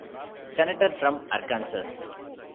Senator from Arkansas.